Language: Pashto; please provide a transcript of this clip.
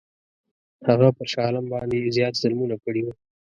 هغه پر شاه عالم باندي زیات ظلمونه کړي وه.